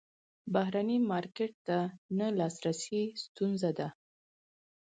بهرني مارکیټ ته نه لاسرسی ستونزه ده.